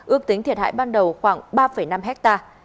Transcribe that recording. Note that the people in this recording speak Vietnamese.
ước tính thiệt hại ban đầu khoảng ba năm hectare